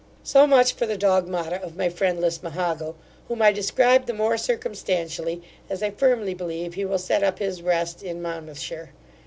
So much for the dogmata of my friend Lismahago, whom I describe the more circumstantially, as I firmly believe he will set up his rest in Monmouthshire.